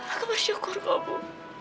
aku bersyukur bu